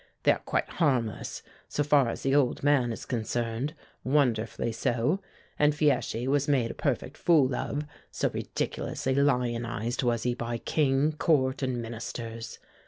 They are quite harmless, so far as the old man is concerned wonderfully so and Fieschi was made a perfect fool of, so ridiculously lionized was he by King, Court and Ministers.